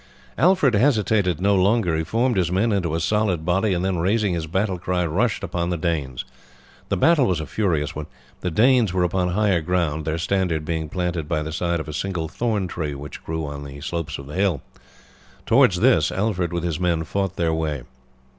Alfred hesitated no longer; he formed his men into a solid body, and then, raising his battle cry, rushed upon the Danes. The battle was a furious one. The Danes were upon higher ground, their standard being planted by the side of a single thorn tree which grew on the slopes of the hill. Towards this Alfred with his men fought their way.